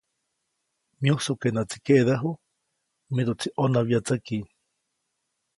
Myujsu ke näʼtsi keʼdäju, miduʼtsi ʼonäwyätsäki.